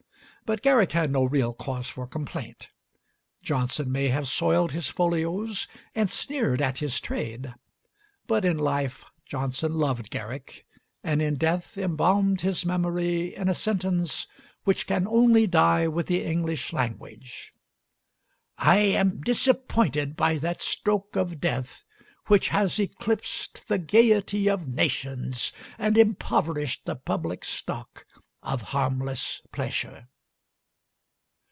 But Garrick had no real cause for complaint. Johnson may have soiled his folios and sneered at his trade, but in life Johnson loved Garrick, and in death embalmed his memory in a sentence which can only die with the English language: "I am disappointed by that stroke of death which has eclipsed the gayety of nations, and impoverished the public stock of harmless pleasure."